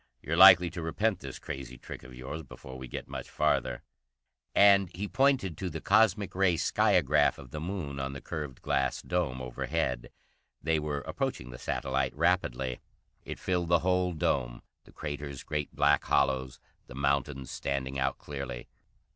"You're likely to repent this crazy trick of yours before we get much farther." And he pointed to the cosmic ray skiagraph of the Moon on the curved glass dome overhead. They were approaching the satellite rapidly. It filled the whole dome, the craters great black hollows, the mountains standing out clearly.